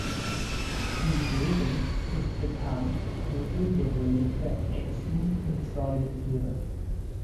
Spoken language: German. Die Gegend ist bekannt für ungewöhnliche Echsen und Säugetiere.